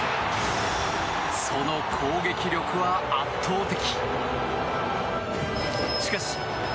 その攻撃力は圧倒的。